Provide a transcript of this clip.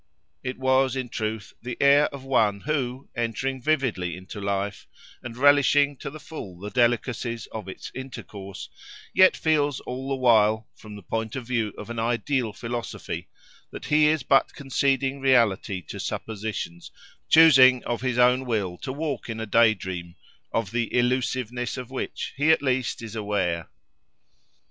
It was, in truth, the air of one who, entering vividly into life, and relishing to the full the delicacies of its intercourse, yet feels all the while, from the point of view of an ideal philosophy, that he is but conceding reality to suppositions, choosing of his own will to walk in a day dream, of the illusiveness of which he at least is aware.